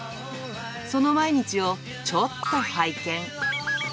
その毎日を、ちょっと拝見。